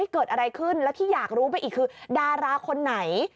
เกิดอะไรขึ้นและที่อยากรู้ไปอีกคือดาราคนไหน